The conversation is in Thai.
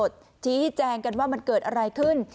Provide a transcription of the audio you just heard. ชี้แจงกันว่ามันเกิดอะไรขึ้น